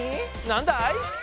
なんだい？